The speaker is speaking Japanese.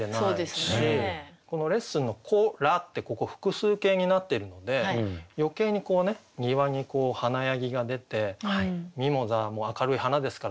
この「レッスンの子ら」ってここ複数形になっているので余計にこうね庭に華やぎが出てミモザも明るい花ですから黄色いね。